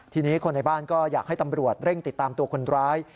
ทีนี้คนในบ้านก็อยากให้ตำรวจเร่งติดตามตัวคนร้าย